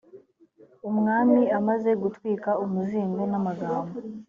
umwami amaze gutwika umuzingo n’amagambo